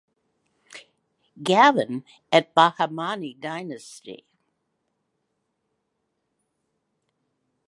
Gavan of Bahamani dynasty.